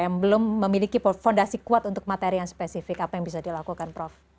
yang belum memiliki fondasi kuat untuk materi yang spesifik apa yang bisa dilakukan prof